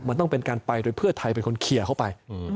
มันต้องเป็นการไปโดยเพื่อไทยเป็นคนเคลียร์เข้าไป